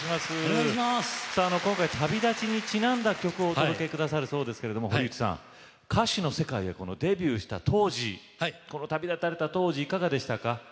今回旅立ちにちなんだ曲をお届け下さるそうですけれども堀内さん歌手の世界へデビューした当時この旅立たれた当時いかがでしたか？